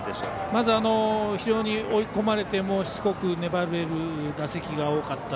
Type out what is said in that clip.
まず非常に追い込まれてもしつこく粘れる打席が多かった。